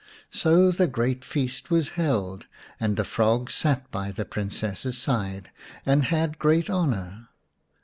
So a great feast was held, and the frog sat by the Princess's side and had great honour.